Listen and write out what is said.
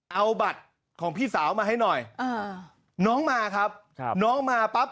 เอาบัตรของพี่สาวมาให้หน่อยอ่าน้องมาครับครับน้องมาปั๊บ